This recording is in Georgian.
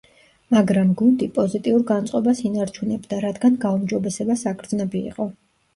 მაგრამ გუნდი პოზიტიურ განწყობას ინარჩუნებდა, რადგან გაუმჯობესება საგრძნობი იყო.